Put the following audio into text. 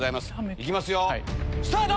行きますよスタート！